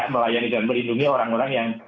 melayani dan melindungi orang orang yang